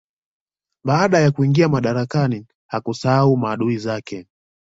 Baada ya kuingia madarakani hakusahau maadui zake